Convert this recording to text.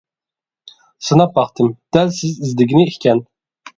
سىناپ باقتىم دەل سىز ئىزدىگىنى ئىكەن.